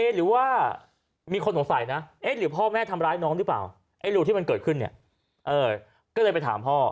หรือว่ามีคนสงสัยนะเอ๊ะหรือพ่อแม่ทำร้ายน้องหรือเปล่าไอ้รูที่มันเกิดขึ้นเนี่ยก็เลยไปถามพ่อ